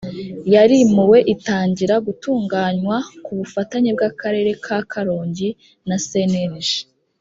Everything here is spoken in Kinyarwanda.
yarimuwe itangira gutunganywa ku bufatanye bw akarere ka karongi na cnlg